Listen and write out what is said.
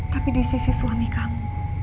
tapi di sisi suami kamu